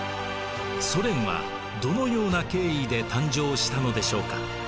ソ連はどのような経緯で誕生したのでしょうか？